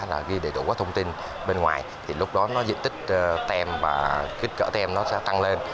là ghi đầy đủ các thông tin bên ngoài thì lúc đó nó diện tích tem và kích cỡ tem nó sẽ tăng lên